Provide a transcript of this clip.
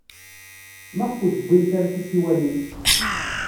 Maɣef ur tewwimt ara tisiwanin?